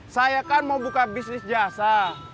saya kan mau buka bisnis jasa